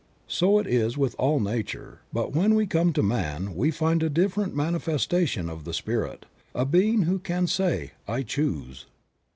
So it is with all nature ; but when we come to man we find a different mani festation of the Spirit, a being who can say "I choose."